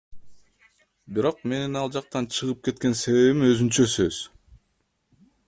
Бирок менин ал жактан чыгып кеткен себебим өзүнчө сөз.